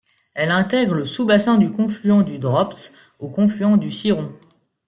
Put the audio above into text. Elle intègre le sous-bassin du confluent du Dropt au confluent du Ciron.